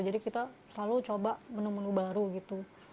jadi kita selalu coba menu menu baru gitu